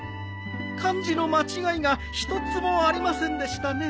漢字の間違いが一つもありませんでしたね。